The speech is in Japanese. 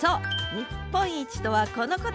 日本一とはこのこと。